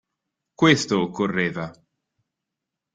Questo occorreva.